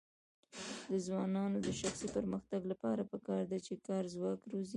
د ځوانانو د شخصي پرمختګ لپاره پکار ده چې کاري ځواک روزي.